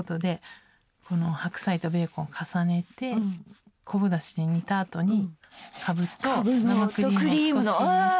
この白菜とベーコン重ねて昆布だしで煮たあとにかぶと生クリームを少し入れて。